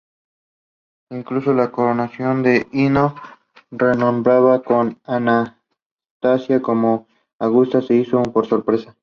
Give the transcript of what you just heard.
Incluso la coronación de Ino, renombrada como Anastasia, como Augusta se hizo por sorpresa.